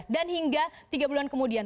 hingga tiga bulan kemudian